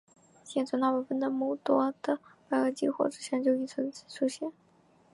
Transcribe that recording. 现存大部分的目多在白垩纪或之前就已出现。